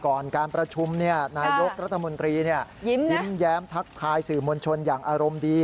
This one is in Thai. การประชุมนายกรัฐมนตรียิ้มแย้มทักทายสื่อมวลชนอย่างอารมณ์ดี